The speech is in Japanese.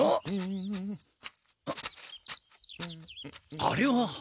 あれは。